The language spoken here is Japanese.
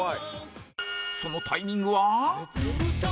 そのタイミングは